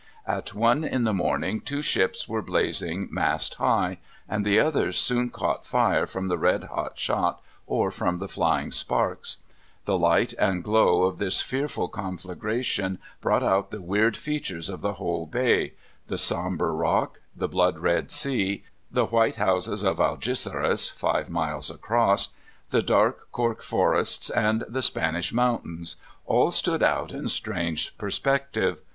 At one in the morning two ships were blazing mast high, and the others soon caught fire from the red hot shot or from the flying sparks. The light and glow of this fearful conflagration brought out the weird features of the whole bay: the sombre Rock, the blood red sea, the white houses of Algeciras five miles across, the dark cork forests, and the Spanish mountains all stood out in strange perspective.